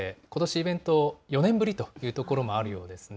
イベント４年ぶりという所もあるようですね。